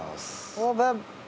オープン。